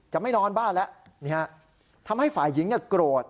ไม่นอนบ้านแล้วทำให้ฝ่ายหญิงโกรธ